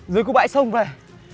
dưới cú bãi sông vậy